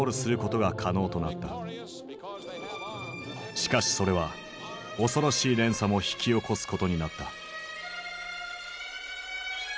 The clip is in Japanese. しかしそれは恐ろしい連鎖も引き起こすことになった。